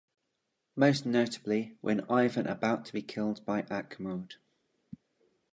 Most notably, when Ivan about to be killed by Achmode.